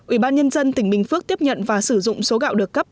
ủy ban nhân dân tỉnh bình phước tiếp nhận và sử dụng số gạo được cấp